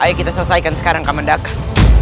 ayo kita selesaikan sekarang kamendakan